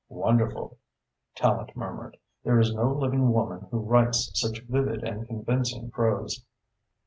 "Wonderful!" Tallente murmured. "There is no living woman who writes such vivid and convincing prose."